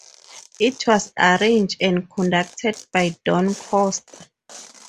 It was arranged and conducted by Don Costa.